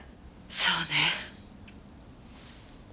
そうね。